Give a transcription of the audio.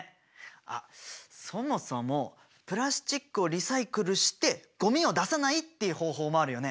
あっそもそもプラスチックをリサイクルしてゴミを出さないっていう方法もあるよね。